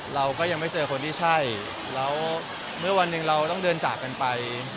เราก็ยังไม่เจอคนที่ใช่แล้วเมื่อวันหนึ่งเราต้องเดินจากกันไป